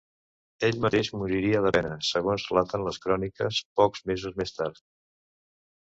Ell mateix moriria de pena, segons relaten les cròniques, pocs mesos més tard.